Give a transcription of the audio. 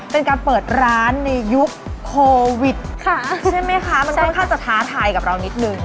เป็นการเปิดร้านในยุคโควิดค่ะใช่ไหมคะมันค่อนข้างจะท้าทายกับเรานิดนึง